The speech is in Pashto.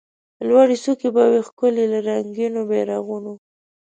لوړي څوکي به وي ښکلي له رنګینو بیرغونو